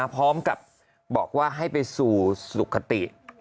พร้อมกับบอกว่าให้ไปสู่สุขติ